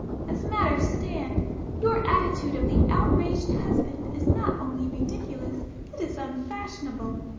As matters stand, your attitude of the outraged husband is not only ridiculous,—it is unfashionable.